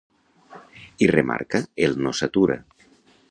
I remarca el ‘no s’atura’.